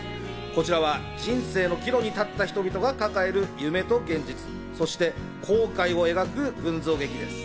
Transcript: こちらは人生の岐路に立った人々が抱える夢と現実、そして後悔を描く群像劇です。